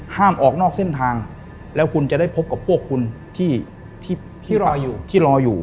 ห้ามออกนอกเส้นทางแล้วคุณจะได้พบกับพวกคุณที่รออยู่ที่รออยู่